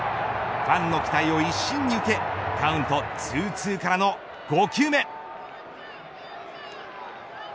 ファンの期待を一身に受けカウント２‐２からの５球目。